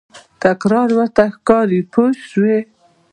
تکرار ورته ښکاري پوه شوې!.